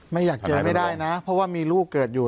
ไม่อยากเจอไม่ได้นะเพราะว่ามีลูกเกิดอยู่